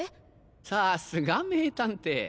さすが名探偵。